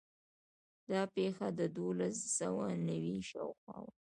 دا پېښه د دولس سوه نوي شاوخوا وه.